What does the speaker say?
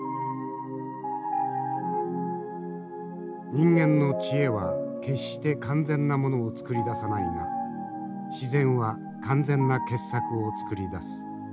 人間の知恵は決して完全なものを作り出さないが自然は完全な傑作を作り出す。